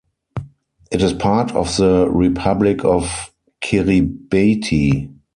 It is part of the Republic of Kiribati.